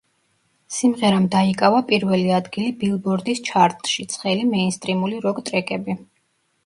სიმღერამ დაიკავა პირველი ადგილი ბილბორდის ჩარტში ცხელი მეინსტრიმული როკ ტრეკები.